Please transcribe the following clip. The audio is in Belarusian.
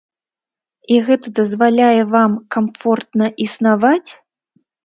І гэта дазваляе вам камфортна існаваць?